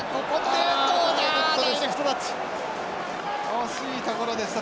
惜しいところでした。